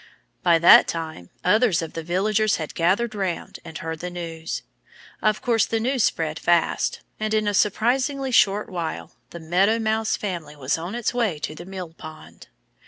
By that time others of the villagers had gathered round and heard the news. Of course the news spread fast. And in a surprisingly short while the Meadow Mouse family was on its way to the mill pond.